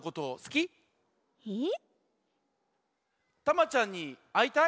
タマちゃんにあいたい？